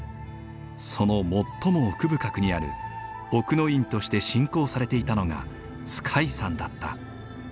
その最も奥深くにある奥の院として信仰されていたのが皇海山だった。